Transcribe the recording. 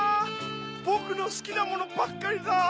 ぼくのすきなものばっかりだ！